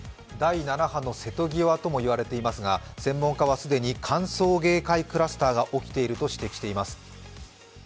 第７波の瀬戸際とも言われていますが、専門家は既に歓送迎会クラスターが起きていると指摘してます。